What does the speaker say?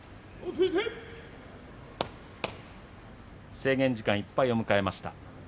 制限時間いっぱいを迎えました。